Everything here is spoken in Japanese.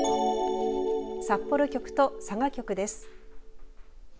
札幌局と佐賀局です。